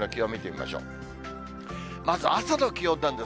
まず朝の気温なんです。